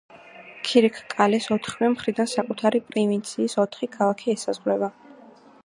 ქირიქკალეს ოთხივე მხრიდან საკუთარი პროვინციის ოთხი ქალაქი ესაზღვრება.